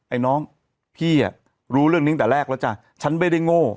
ไอ้น้องพี่รู้เรื่องนี้ตั้งแต่แรกแล้วจ้ะฉันไม่ได้โง่